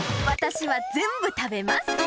私は全部食べます。